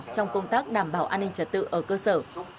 trong công tác đảm bảo an ninh trật tự ở cơ sở